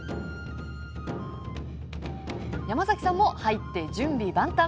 ヤマザキさんも入って準備万端。